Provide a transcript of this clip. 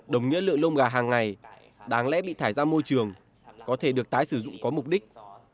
đồng nghĩa lượng lông gà hàng ngày đáng lẽ bị thải ra môi trường có thể được tái sử dụng có mục đích